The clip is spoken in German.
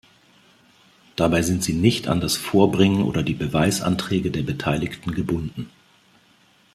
Dabei sind sie nicht an das Vorbringen oder die Beweisanträge der Beteiligten gebunden.